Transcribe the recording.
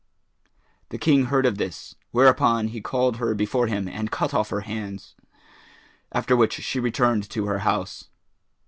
The King heard of this; whereupon he called her before him and cut off her hands, after which she returned to her house.